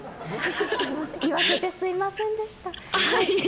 言わせてすみませんでした。